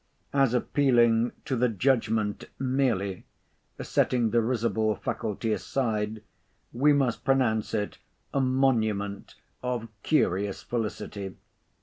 As appealing to the judgment merely (setting the risible faculty aside,) we must pronounce it a monument of curious felicity.